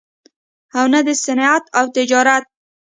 او نه دَصنعت او تجارت